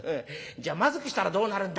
『じゃあまずくしたらどうなるんだ？』